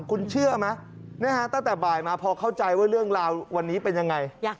คุณเชื่อไหมตั้งแต่บ่ายมาพอเข้าใจว่าเรื่องราววันนี้เป็นยังไง